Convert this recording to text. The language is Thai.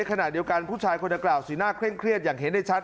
ขณะเดียวกันผู้ชายคนดังกล่าวสีหน้าเคร่งเครียดอย่างเห็นได้ชัด